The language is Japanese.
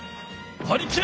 はりきれ！